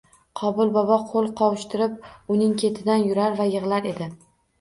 Qobil bobo qo‘l qovushtirib uning ketidan yurar va yig‘lar edi